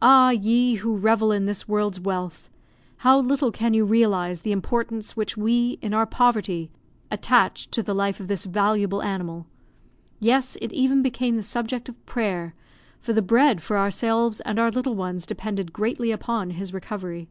Ah, ye who revel in this world's wealth, how little can you realise the importance which we, in our poverty, attached to the life of this valuable animal! Yes, it even became the subject of prayer, for the bread for ourselves and our little ones depended greatly upon his recovery.